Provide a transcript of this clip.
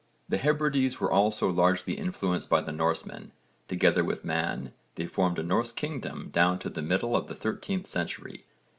The Hebrides were also largely influenced by the Norsemen. Together with Man they formed a Norse kingdom down to the middle of the 13th century.